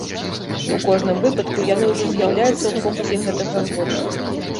У кожным выпадку яны ўжо з'яўляюцца ў фокусе гэтага года.